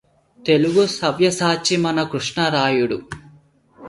తెలుగుసవ్యసాచి మన కృష్ణరాయుడు